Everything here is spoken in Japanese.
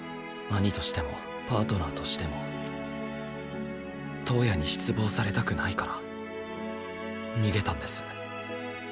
兄としてもパートナーとしても橙也に失望されたくないから逃げたんです。